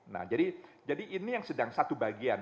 nah jadi ini yang sedang satu bagian